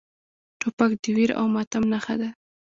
توپک د ویر او ماتم نښه ده.